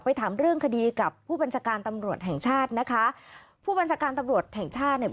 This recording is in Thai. ถามเรื่องคดีกับผู้บัญชาการตำรวจแห่งชาตินะคะผู้บัญชาการตำรวจแห่งชาติเนี่ย